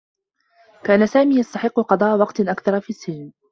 كان سامي يستحقّ قضاء وقت أكثر في السّجن.